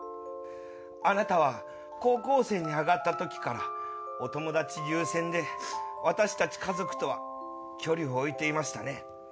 あなたは高校生に上がった時からお友達優先で私たち家族とは距離を置いていましたね。